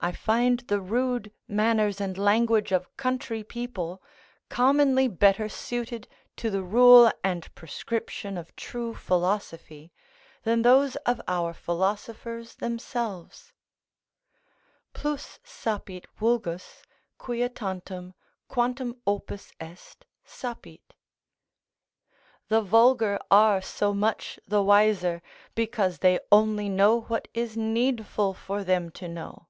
I find the rude manners and language of country people commonly better suited to the rule and prescription of true philosophy, than those of our philosophers themselves: "Plus sapit vulgus, quia tantum, quantum opus est, sapit." ["The vulgar are so much the wiser, because they only know what is needful for them to know."